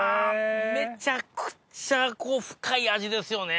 めちゃくちゃこう深い味ですよね！